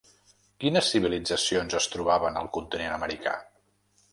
Quines civilitzacions es trobaven al continent americà?